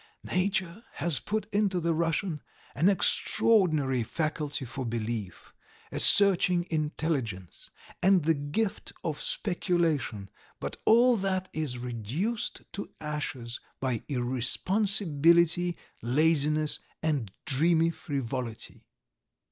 "Nature has put into the Russian an extraordinary faculty for belief, a searching intelligence, and the gift of speculation, but all that is reduced to ashes by irresponsibility, laziness, and dreamy frivolity.